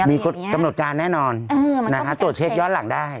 มีกำหนดการแน่นอนตรวจเช็คย้อนหลังได้